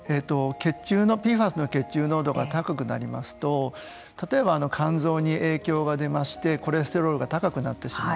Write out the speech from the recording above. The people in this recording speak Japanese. ＰＦＡＳの血中濃度が高くなりますと例えば、肝臓に影響が出ましてコレステロールが高くなってしまう。